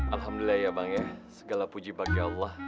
alhamdulillah ya bang ya segala puji bagi allah